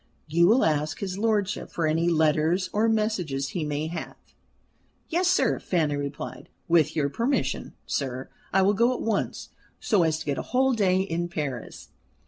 You will ask his lordship for any letters or messages he may have." "Yes, sir," Fanny replied. "With your permission, sir, I will go at once, so as to get a whole day in Paris."